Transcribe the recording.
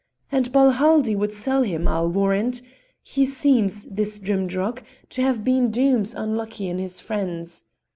"And Balhaldie would sell him, I'll warrant. He seems, this Drimdarroch, to have been dooms unlucky in his friends.